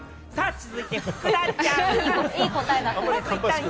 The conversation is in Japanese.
続いて、福田ちゃん。